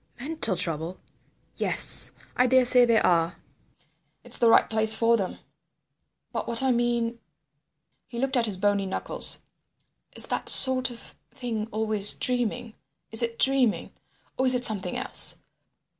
"Mental trouble! Yes. I daresay there are. It's the right place for them. But what I mean—" He looked at his bony knuckles. "Is that sort of thing always dreaming? Is it dreaming? Or is it something else?